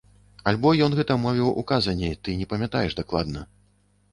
Альбо ён гэта мовіў у казані, ты не памятаеш дакладна.